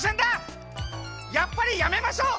やっぱりやめましょう。